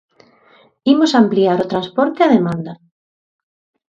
Imos ampliar o transporte á demanda.